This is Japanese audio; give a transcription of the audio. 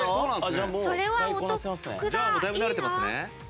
じゃあもうだいぶ慣れてますね。